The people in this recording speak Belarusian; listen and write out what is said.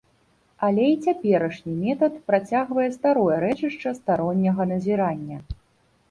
Але і цяперашні метад працягвае старое рэчышча старонняга назірання.